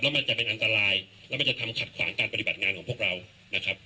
มันจะเป็นอันตรายแล้วมันจะทำขัดขวางการปฏิบัติงานของพวกเรานะครับ